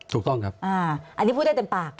ถูกต้องครับอันนี้พูดได้เต็มปาก